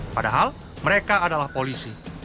padahal mereka adalah polisi